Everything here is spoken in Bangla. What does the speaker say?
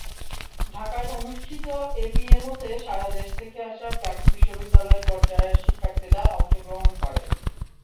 ঢাকায় অনুষ্ঠিত এপিএমওতে সারা দেশ থেকে আসা প্রাক্-বিশ্ববিদ্যালয় পর্যায়ের শিক্ষার্থীরা অংশগ্রহণ করে।